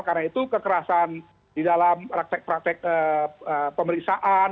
karena itu kekerasan di dalam praktek praktek pemeriksaan